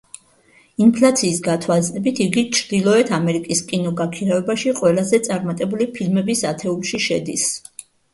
ინფლაციის გათვალისწინებით, იგი ჩრდილოეთ ამერიკის კინოგაქირავებაში ყველაზე წარმატებული ფილმების ათეულში შედის.